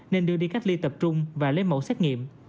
nên đưa đi cách ly tập trung và lấy mẫu xét nghiệm